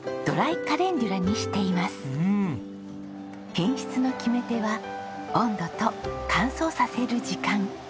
品質の決め手は温度と乾燥させる時間。